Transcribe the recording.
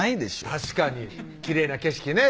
確かにきれいな景色ね